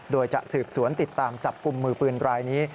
โดยจะสืบสวนติดตามจับกลุ่มมือปืนรายนี้